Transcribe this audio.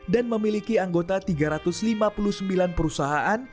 memiliki anggota tiga ratus lima puluh sembilan perusahaan